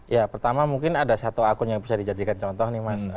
ya pertama mungkin ada satu akun yang bisa dijadikan contoh nih mas